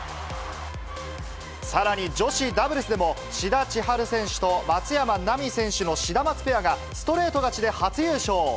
さらに女子ダブルスでも、志田千陽選手と松山奈未選手のシダマツペアが、ストレート勝ちで初優勝。